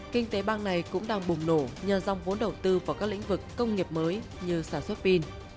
kinh tế bang này cũng đang bùng nổ nhờ dòng vốn đầu tư vào các lĩnh vực công nghiệp mới như sản xuất pin